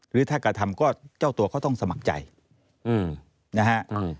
หรือถ้ากระทำก็เจ้าตัวเขาต้องสมัครใจนะฮะ